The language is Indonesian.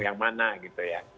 yang mana gitu ya